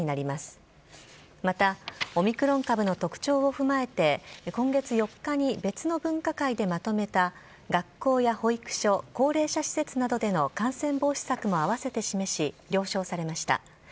またオミクロン株の特徴を踏まえて今月４日に別の分科会でまとめた学校や保育所高齢者施設などでの感染防止策も併せて示し了承されました。